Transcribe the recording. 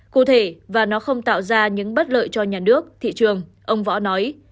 cụ thể và nó không tạo ra những bất lợi cho nhà nước thị trường ông võ nói